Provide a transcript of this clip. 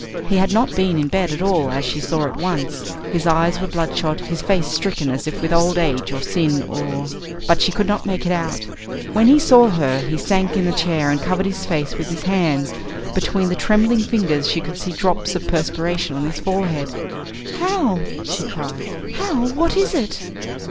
He had not been in bed at all, as she saw at once. His eyes were bloodshot, his face stricken as if with old age or sin or but she could not make it out. When he saw her he sank in a chair and covered his face with his hands, and between the trembling fingers she could see drops of perspiration on his forehead. "Hal!" she cried, "Hal, what is it?"